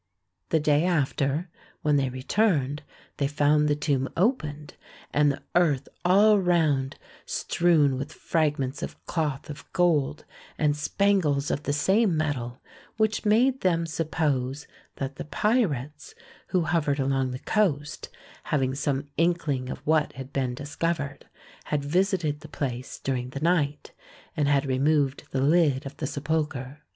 The day after, when they returned, they found the tomb opened, and the earth all round strewn with fragments of cloth of gold, and spangles of the same metal, which made them suppose that the pirates, who hovered along the coast, having some inkling of what had been discovered, had visited the place during the night, and had removed the lid of the sepulchre.